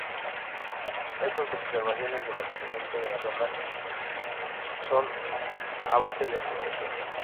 Estas organizaciones de mantenimiento de la salud son a base de membresías.